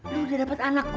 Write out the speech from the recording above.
lu udah dapet anak gue